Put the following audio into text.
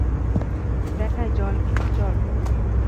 দেখাই জল কী, চলো!